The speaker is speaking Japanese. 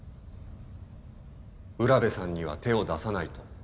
占部さんには手を出さないと。